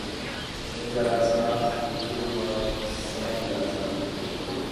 In the last lap, Liquori would not surrender the lead.